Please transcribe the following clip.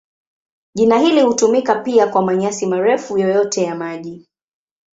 Jina hili hutumika pia kwa manyasi marefu yoyote ya maji.